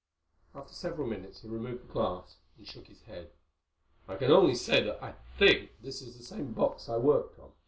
After several minutes he removed the glass and shook his head. "I can only say that I think this is the same box I worked on.